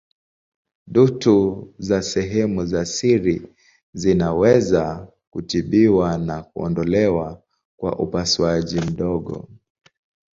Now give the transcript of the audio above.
Dutu za sehemu za siri zinaweza kutibiwa na kuondolewa kwa upasuaji mdogo.